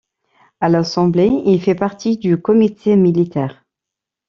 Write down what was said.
À l'assemblée, il fait partie du comité militaire.